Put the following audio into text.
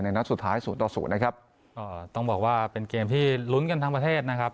ในนัดสุดท้าย๐๐นะครับเอ่อต้องบอกว่าเป็นเกมที่ลุ้นกันทั้งประเทศนะครับ